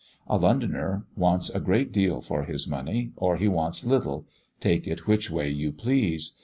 A Londoner wants a great deal for his money, or he wants little take it which way you please.